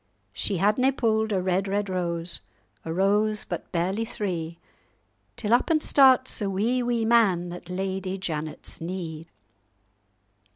"She hadna pu'd a red, red rose, A rose but barely three; Till up and starts a wee, wee man At Lady Janet's knee.